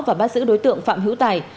và bắt giữ đối tượng phạm hữu tài